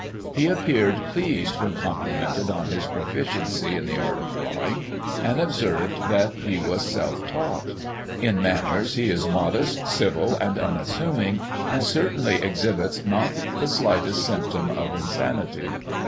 He appeared pleased when complimented on his proficiency in the art of drawing, and observed that he was self taught. In Digiti ized by Google 1 840] EDWARD OXFORD. 139 manners, he is modest, civil and unassuming, and certainly exhibits not the slightest symptom of insanity.